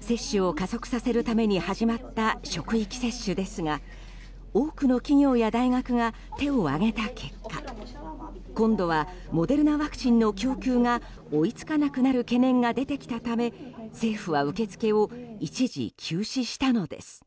接種を加速させるために始まった職域接種ですが多くの企業や大学が手を挙げた結果今度はモデルナワクチンの供給が追いつかなくなる懸念が出てきたため政府は受け付けを一時休止したのです。